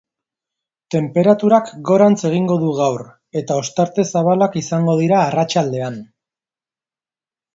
Tenperaturak gorantz egingo du gaur, eta ostarte zabalak izango dira arratsaldean.